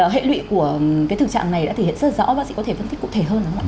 hệ lụy của cái thực trạng này đã thể hiện rất rõ bác sĩ có thể phân tích cụ thể hơn đúng không ạ